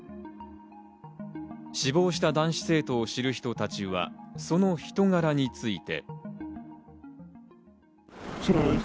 死亡した男子生徒を知る人たちはその人柄について。